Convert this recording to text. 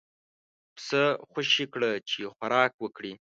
پسه خوشی کړه چې خوراک وکړي.